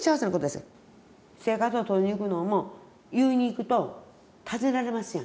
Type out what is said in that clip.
生活保護取りに行くのも言いに行くと尋ねられますやん。